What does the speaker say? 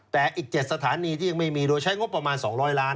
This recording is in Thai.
แต่อีก๗สถานีที่ยังไม่มีโดยใช้งบประมาณ๒๐๐ล้าน